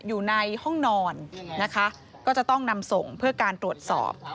อยู่ในห้องนอนนะคะก็จะต้องนำส่งเพื่อการตรวจสอบ